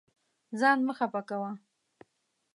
ځان مه خفه کوه.